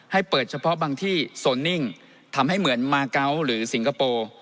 ให้เปิดเฉพาะบางที่โซนนิ่งทำให้เหมือนมาเกาะหรือสิงคโปร์